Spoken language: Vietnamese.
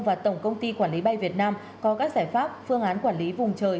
và tổng công ty quản lý bay việt nam có các giải pháp phương án quản lý vùng trời